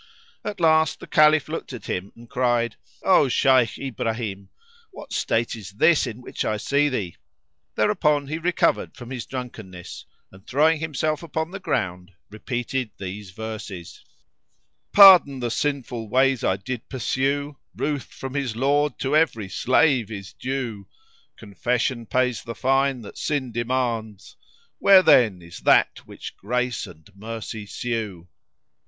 At last the Caliph looked at him and cried, "O Shaykh Ibrahim, what state is this in which I see thee?" Thereupon he recovered from his drunkenness and, throwing himself upon the ground, repeated these verses, "Pardon the sinful ways I did pursue; * Ruth from his lord to every slave is due: Confession pays the fine that sin demands; * Where, then, is that which grace and mercy sue?"